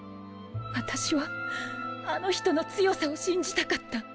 私はあの人の強さを信じたかった。